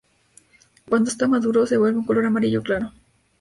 Cuando está maduro, se vuelve un color amarillo claro.